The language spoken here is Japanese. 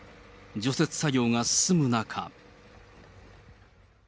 除雪作業が進む中。